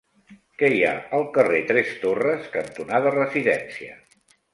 Què hi ha al carrer Tres Torres cantonada Residència?